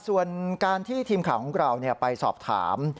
ส่วนการที่ทีมข่าวของเราไปสอบถาม